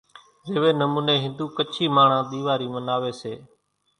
زيوي نموني ھندو ڪڇي ماڻۿان ۮيواري مناوي سي